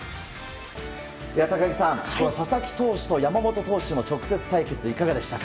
高木さん、佐々木投手と山本投手の直接対決、いかがでしたか？